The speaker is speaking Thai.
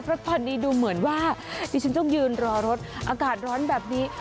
เพราะตอนนี้ดูเหมือนว่าดิฉันต้องยืนรอรถอากาศร้อนแบบนี้